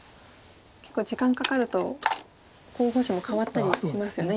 結構時間かかると候補手も変わったりしますよね